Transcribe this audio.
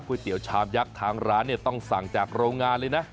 เตี๋ยวชามยักษ์ทางร้านเนี่ยต้องสั่งจากโรงงานเลยนะ